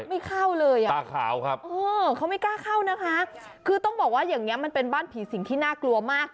ไม่เข้าเลยอ่ะตาขาวครับเออเขาไม่กล้าเข้านะคะคือต้องบอกว่าอย่างนี้มันเป็นบ้านผีสิงที่น่ากลัวมาก